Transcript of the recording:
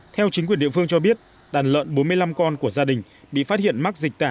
theo chính quyền địa phương cho biết đàn lợn bốn mươi năm con của gia đình bị phát hiện mắc dịch tả